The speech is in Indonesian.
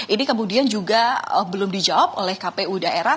ini kemudian juga belum dijawab oleh kpu daerah